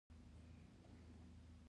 په هغه وخت کې تعصب د فضیلت نښه هم وه.